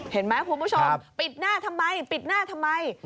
เห็นไหมคุณผู้ชมปิดหน้าทำไมปิดหน้าทำไม